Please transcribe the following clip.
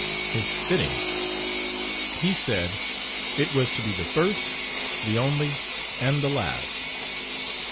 His "sitting," he said: it was to be the first, the only and the last.